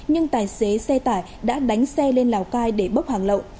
nhưng tài xế xe tải đã đánh xe lên lào cai để bốc hàng lậu